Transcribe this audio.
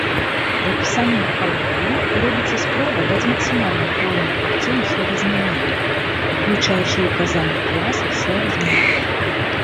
Пры апісанні марфалогіі робіцца спроба даць максімальна поўную карціну словазмянення, уключаючы ўказанне класа словазмянення.